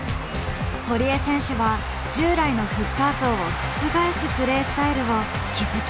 堀江選手は従来のフッカー像を覆すプレースタイルを築き上げてきました。